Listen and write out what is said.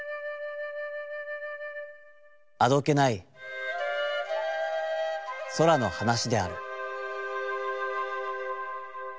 あどけない空の話である」。